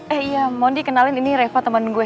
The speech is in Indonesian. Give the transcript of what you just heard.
eh iya mohon dikenalin ini reva teman gue